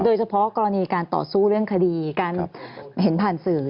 โดยเฉพาะกรณีการต่อสู้เรื่องคดีการเห็นผ่านสื่อ